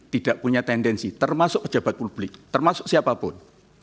tidak punya tendensi termasuk pejabat publik termasuk siapapun